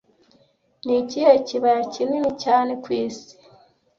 Ni ikihe kibaya kinini cyane ku isi